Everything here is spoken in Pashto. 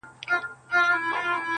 • راكيټونو دي پر ما باندي را اوري.